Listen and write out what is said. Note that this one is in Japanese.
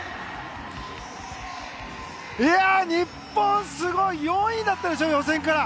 日本、すごい！４位だったでしょ予選は。